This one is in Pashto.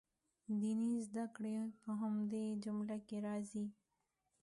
دیني زده کړې په همدې جمله کې راځي.